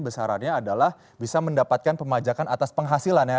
besarannya adalah bisa mendapatkan pemajakan atas penghasilan ya